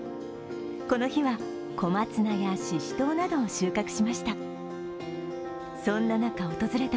この日は、小松菜やししとうなどを収穫しました。